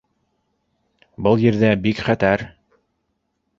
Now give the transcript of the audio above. Был ерҙә бик хәтәр.